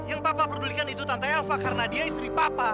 yang papa perdulikan itu tante alfa karena dia istri papa